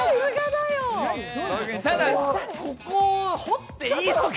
ただ、ここを掘っていいのか。